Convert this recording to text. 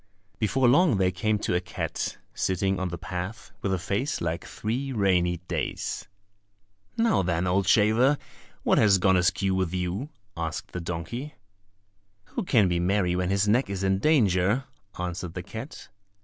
Before long they came to a cat, sitting on the path, with a face like three rainy days! "Now then, old shaver, what has gone askew with you?" asked the donkey. "Who can be merry when his neck is in danger?" answered the cat.